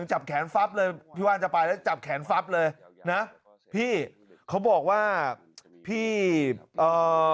จับแขนฟับเลยพี่ว่าจะไปแล้วจับแขนฟับเลยนะพี่เขาบอกว่าพี่เอ่อ